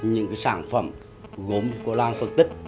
những sản phẩm gốm của làng phật tịch